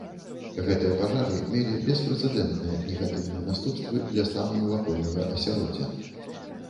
Гэтыя пажары мелі беспрэцэдэнтныя негатыўныя наступствы для стану навакольнага асяроддзя.